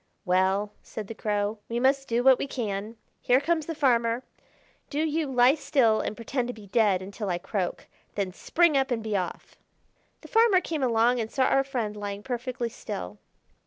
"Well," said the Crow, "we must do what we can. Here comes the farmer. Do you lie still and pretend to be dead until I croak: then spring up and be off." The farmer came along and saw our friend lying perfectly still.